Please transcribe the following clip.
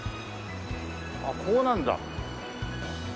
あっこうなるんだ。